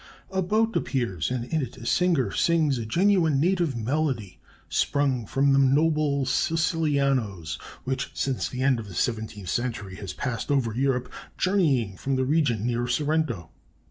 "A boat appears, and in it a singer sings a genuine native melody, sprung from the noble sicilianos, which since the end of the seventeenth century have passed over Europe, journeying from the region near Sorrento."